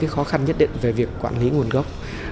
khó khăn nhất định về việc quản lý nguồn gốc